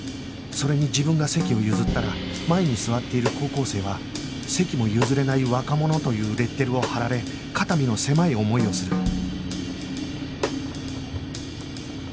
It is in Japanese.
それに自分が席を譲ったら前に座っている高校生は「席も譲れない若者」というレッテルを貼られ肩身の狭い思いをする